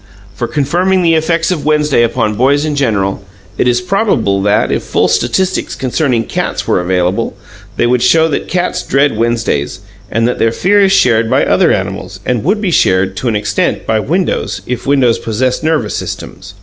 For, confirming the effect of Wednesday upon boys in general, it is probable that, if full statistics concerning cats were available, they would show that cats dread Wednesdays, and that their fear is shared by other animals, and would be shared, to an extent by windows, if windows possessed nervous systems.